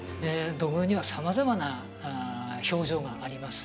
土偶には様々な表情があります